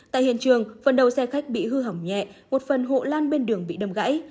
tại hiện trường phần đầu xe khách bị hư hỏng nhẹ một phần hộ lan bên đường bị đâm gãy